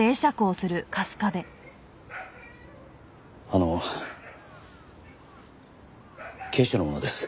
あの警視庁の者です。